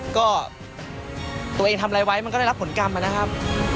ก็ตัวเองทำอะไรไว้มันก็ได้รับผลกรรมนะครับ